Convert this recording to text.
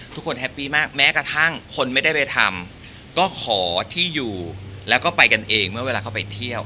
แฮปปี้มากแม้กระทั่งคนไม่ได้ไปทำก็ขอที่อยู่แล้วก็ไปกันเองเมื่อเวลาเขาไปเที่ยว